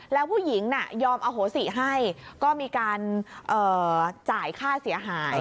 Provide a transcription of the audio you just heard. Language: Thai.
แล้วผู้หญิงน่ะยอมอโหสิให้ก็มีการจ่ายค่าเสียหาย